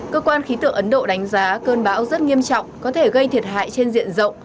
cơ quan khí tượng ấn độ đánh giá cơn bão rất nghiêm trọng có thể gây thiệt hại trên diện rộng